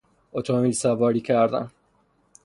اتومبیل سواری کردن